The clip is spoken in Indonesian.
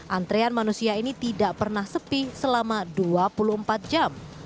antrean manusia ini tidak pernah sepi selama dua puluh empat jam